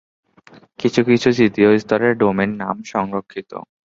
কিছু কিছু তৃতীয় স্তরের ডোমেইন নাম সংরক্ষিত।